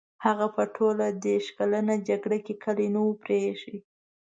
هغه په ټوله دېرش کلنه جګړه کې کلی نه وو پرې ایښی.